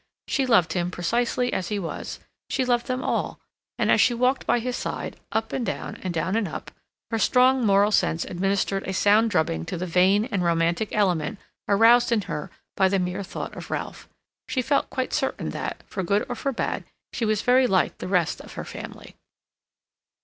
She loved him precisely as he was; she loved them all; and as she walked by his side, up and down, and down and up, her strong moral sense administered a sound drubbing to the vain and romantic element aroused in her by the mere thought of Ralph. She felt quite certain that, for good or for bad, she was very like the rest of her family.